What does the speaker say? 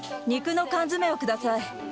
肉の缶詰をください。